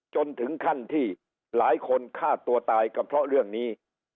จนถึงขั้นที่หลายคนฆ่าตัวตายก็เพราะเรื่องนี้